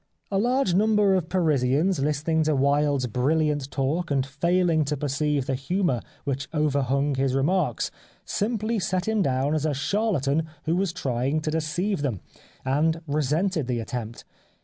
A large number of Parisians listening to Wilde's brilliant talk, 230 The Life of Oscar Wilde and failing to perceive the humour which over hung his remarks simply set him down as a charlatan who was trying to deceive them, and resented the attempt.